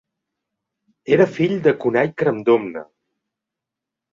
Era fill de Conall Crandomna.